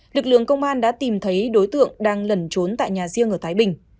lực lượng công an đã tìm thấy đối tượng đang lẩn trốn tại nhà riêng ở thái bình